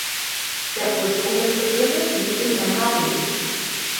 Der Ursprung des Begriffes liegt im mhd.